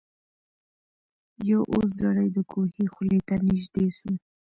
یو اوزګړی د کوهي خولې ته نیژدې سو